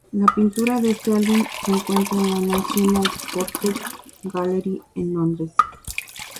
La pintura de este álbum se encuentra en la National Portrait Gallery en Londres.